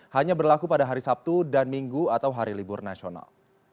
hanya berlaku pada hari sabtu dan minggu atau hari libur nasional